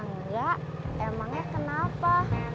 enggak emangnya kenapa